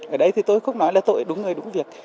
ở đây thì tôi không nói là tội đúng người đúng việc